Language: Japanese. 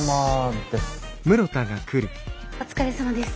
お疲れさまです。